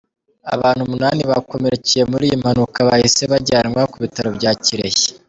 Abantu umunani bakomerekeye muri iyi mpanuka bahise bajyanwa ku bitaro bya Kirehe .